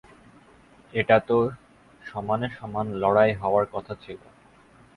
এটা তো সমানে-সমান লড়াই হওয়ার কথা ছিল।